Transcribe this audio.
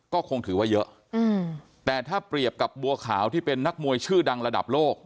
ก็คงถือว่าเยอะแต่ถ้าเปรียบกับบัวขาวที่เป็นนักมวยชื่อดังระดับโลก